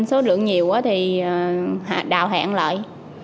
số lượng nhiều thì đào hẹn lại